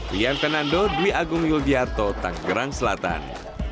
lian fernando dwi agung yulviarto tanggerang selatan